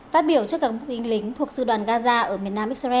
phát biểu cho các quân lĩnh thuộc sư đoàn gaza ở miền nam x bảy